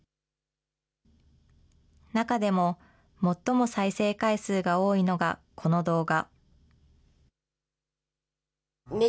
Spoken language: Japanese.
中でも最も再生回数が多いのがこの動画。